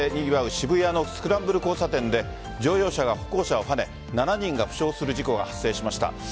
渋谷のスクランブル交差点で乗用車が歩行者をはね７人が負傷する事故が発生しました。